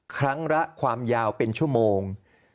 ครั้งละความยาวเป็นชั่วโมง